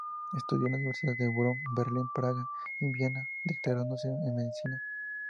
Estudió en las universidades de Bonn, Berlín, Praga y Viena, doctorándose en medicina.